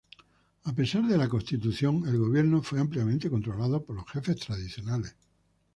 A pesar de la constitución, el gobierno fue ampliamente controlado por los jefes tradicionales.